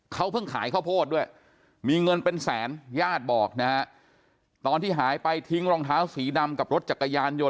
เขาเพิ่งขายข้าวโพดด้วยมีเงินเป็นแสนญาติบอกนะฮะตอนที่หายไปทิ้งรองเท้าสีดำกับรถจักรยานยนต